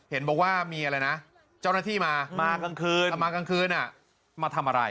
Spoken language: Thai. เห็นบอกว่ามีอะไรนะเจ้าหน้าที่มามากลางคืนมากลางคืนมาทำอะไร